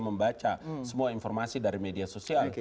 membaca semua informasi dari media sosial